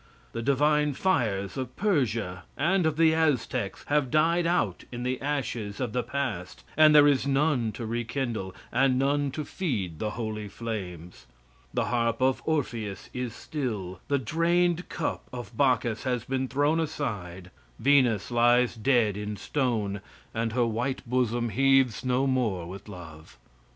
The divine fires of Persia and of the Aztecs, have died out in the ashes of the past, and there is none to rekindle, and none to feed the holy flames. The harp of Orpheus is still; the drained cup of Bacchus has been thrown aside; Venus lies dead in stone, and her white bosom heaves no more with love.